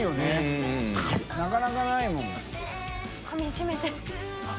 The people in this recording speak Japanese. かみしめてる